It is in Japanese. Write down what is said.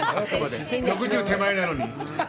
６０手前なのに。